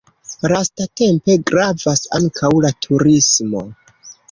Lastatempe gravas ankaŭ la turismo.